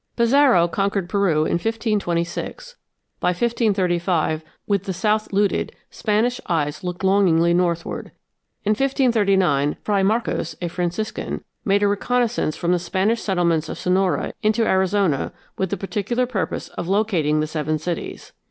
Pizarro conquered Peru in 1526; by 1535, with the south looted, Spanish eyes looked longingly northward. In 1539 Fray Marcos, a Franciscan, made a reconnaissance from the Spanish settlements of Sonora into Arizona with the particular purpose of locating the seven cities.